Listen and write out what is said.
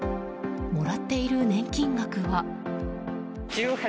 もらっている年金額は。